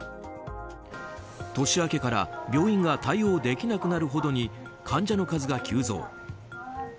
年明けから病院が対応できなくなるほどに患者の数が急増。